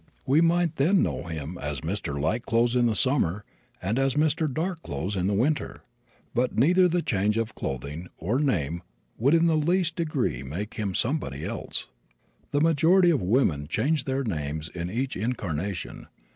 We might then know him as Mr. Lightclothes in the summer and as Mr. Darkclothes in the winter, but neither the change of clothing or name would in the least degree make him somebody else. The majority of women change their names in each incarnation.